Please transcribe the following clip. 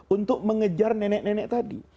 untuk mengejar nenek nenek tadi